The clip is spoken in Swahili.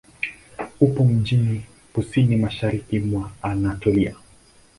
Upo mjini kusini-mashariki mwa Anatolia.